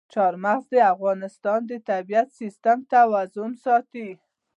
چار مغز د افغانستان د طبعي سیسټم توازن ساتي.